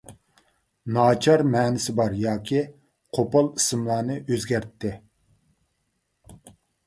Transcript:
ناچار مەنىسى بار ياكى قوپال ئىسىملارنى ئۆزگەرتەتتى.